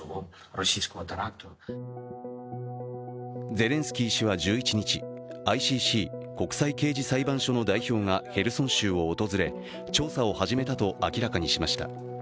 ゼレンスキー氏は１１日ＩＣＣ＝国際刑事裁判所の代表がヘルソン州を訪れ調査を始めたと明らかにしました。